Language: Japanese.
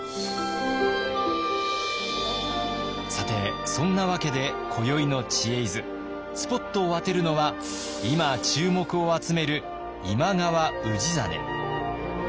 さてそんなわけで今宵の「知恵泉」スポットを当てるのは今注目を集める今川氏真。